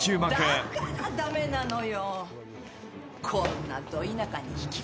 だから駄目なのよ！